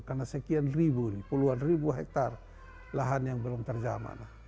karena sekian ribu puluhan ribu hektare lahan yang belum terjaman